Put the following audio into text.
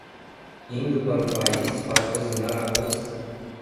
Indo para o país para cozinhar arroz